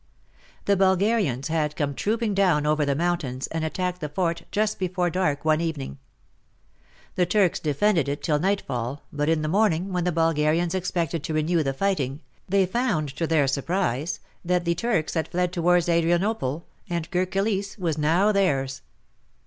The Bulgarians had come trooping down over the mountains and attacked the fort just before dark one evening. The Turks defended it till nightfall, but in the morning, when the Bulgarians expected to renew the fighting, they found to their surprise that the Turks had fled towards Adrianople, and Kirk Kilisse was now theirs.